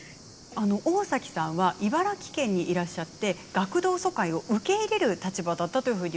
大さんは茨城県にいらっしゃって学童疎開を受け入れる立場だったというふうに伺っていますけれど。